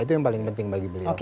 itu yang paling penting bagi beliau